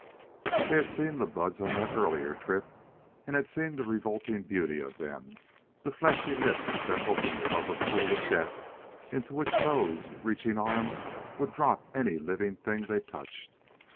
They had seen the buds on that earlier trip; had seen the revolting beauty of them the fleshy lips that opened above a pool of death into which those reaching arms would drop any living thing they touched.